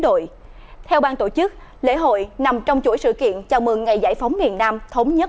đội theo bang tổ chức lễ hội nằm trong chuỗi sự kiện chào mừng ngày giải phóng miền nam thống nhất